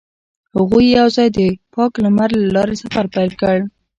هغوی یوځای د پاک لمر له لارې سفر پیل کړ.